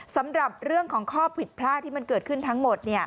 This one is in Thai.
สำหรับเรื่องของข้อผิดพลาดที่มันเกิดขึ้นทั้งหมด